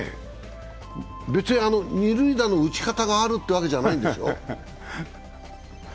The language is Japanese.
別に二塁打の打ち方があるというわけじゃないんでしょう？